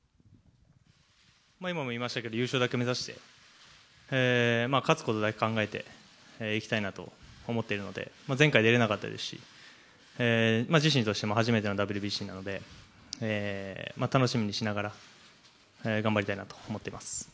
今も言いましたけど、優勝だけ目指して、勝つことだけ考えていきたいなと思っているので、前回出れなかったですし、自身としても初めてのＷＢＣなので、楽しみにしながら、頑張りたいなと思ってます。